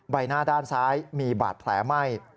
ใบหน้าด้านซ้ายมีบาดแผลไหม้